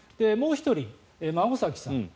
もう１人、孫崎さん。